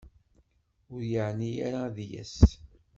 Ur yeɛni ara ad d-yas.